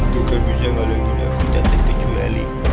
tukar bisa menghalangi aku tak terkecuali